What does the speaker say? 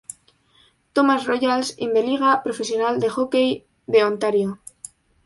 Thomas Royals in the Liga Profesional de Hockey de Ontario.